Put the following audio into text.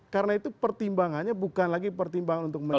karena itu pertimbangannya bukan lagi pertimbangan untuk menjaga